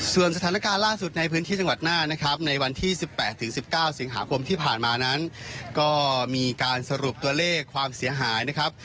ส่วนสถานการณ์ล่าสุดในพื้นที่จังหวัดน่านนะครับในวันที่๑๘๑๙สิงหาคมที่ผ่านมานั้นก็มีการสรุปตัวเลขความเสียหายนะครับ